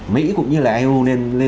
mỹ cũng như là eu